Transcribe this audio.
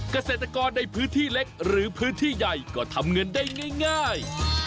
เกษตรกรในพื้นที่เล็กหรือพื้นที่ใหญ่ก็ทำเงินได้ง่าย